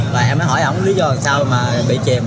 và em mới hỏi ông lý do làm sao mà bị chìm